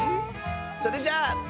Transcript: それじゃあ。